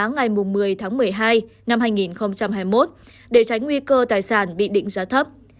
ngày một mươi tháng một mươi hai năm hai nghìn hai mươi một để tránh nguy cơ tài sản bị định giá thấp